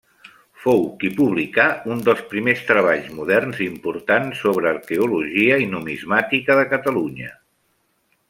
Fou qui publicà un dels primers treballs moderns importants sobre arqueologia i numismàtica de Catalunya.